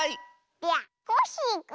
ではコッシーくん。